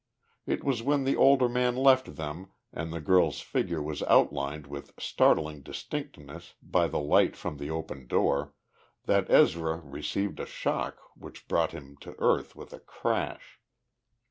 It was when the older man left them and the girl's figure was outlined with startling distinctness by the light from the open door, that Ezra received a shock which brought him to earth with a crash.